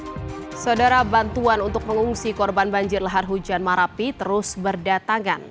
hai saudara bantuan untuk mengungsi korban banjir lahar hujan marapi terus berdatangan